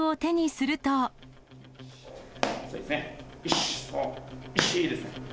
よし、いいですね。